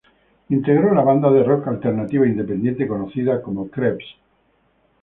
Integró la banda de rock alternativa independiente conocida como Krebs.